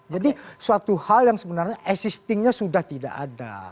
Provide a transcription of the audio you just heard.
jadi suatu hal yang sebenarnya existing nya sudah tidak ada